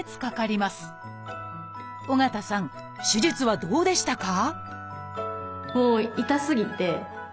緒方さん手術はどうでしたか？